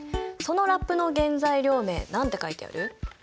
そのラップの原材料名何て書いてある？